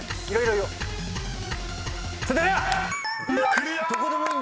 ［クリア！］